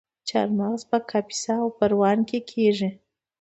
چهارمغز په کاپیسا او پروان کې کیږي.